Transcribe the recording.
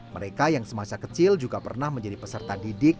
mereka yang semasa kecil juga pernah menjadi peserta didik